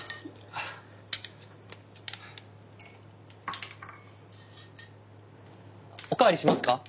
ああ。おかわりしますか？